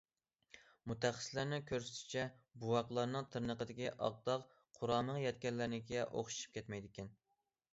مۇتەخەسسىسلەرنىڭ كۆرسىتىشىچە، بوۋاقلارنىڭ تىرنىقىدىكى ئاق داغ قۇرامىغا يەتكەنلەرنىڭكىگە ئوخشىشىپ كەتمەيدىكەن.